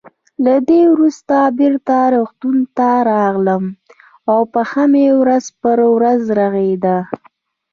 له دې وروسته بېرته روغتون ته راغلم او پښه مې ورځ په ورځ رغېده.